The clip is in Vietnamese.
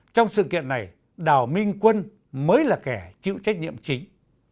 trong sự kiện này đào minh quân mới là kẻ chịu trách nhiệm chính